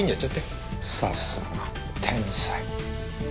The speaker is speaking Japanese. さすが天才。